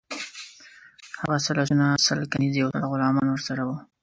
هغه سل آسونه، سل کنیزي او سل غلامان ورسره وه.